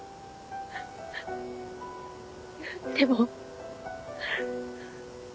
でも。